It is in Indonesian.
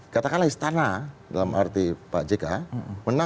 katakanlah istana dalam arti pak jk menang tujuh puluh puluh